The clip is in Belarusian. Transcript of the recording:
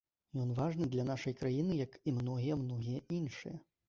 Ён важны для нашай краіны як і многія-многія іншыя.